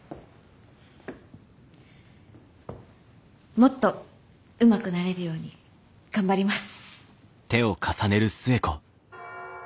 もっとうまくなれるように頑張ります。